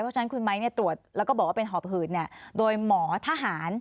เพราะฉะนั้นคุณไม้ตรวจแล้วก็บอกว่าเป็นหอบหืดโดยหมอทหาร